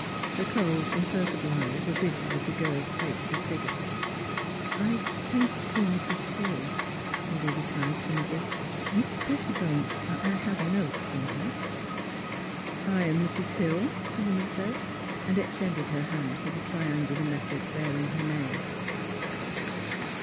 " Her cold, imperturbable eyes were busy with the girl 's face and figure. " I came — to see Mrs. Hill," Milly replied, timidly. '' Mrs. Pettibone — I have a note from her." " I am Mrs. Hill," the woman said, and ex tended her hand for the triangular message bear ing her name.